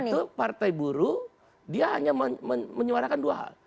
oleh karena itu partai baru dia hanya menyuarakan dua hal